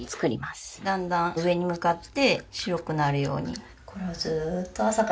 だんだん上に向かって白くなるように。